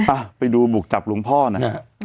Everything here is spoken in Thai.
อ่ะไปดูหมุกจับลูงพ่อนะครับ